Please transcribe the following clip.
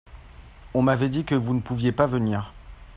on m'avait dit que nous ne pouviez pas venir.